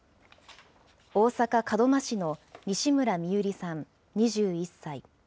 大阪・門真市の西村美夕璃さん２１歳。